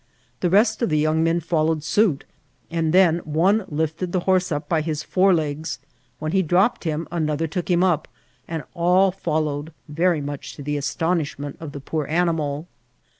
The rest of the young men followed suit, and then one lifted the horse up by his fore legs ; when he dropped him another took him up, and all followed, very much to the astonishment of the poor animal.